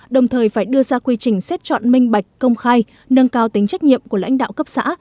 đồng thời phải đưa ra quy trình xét chọn minh bạch công khai nâng cao tính trách nhiệm của lãnh đạo cấp xã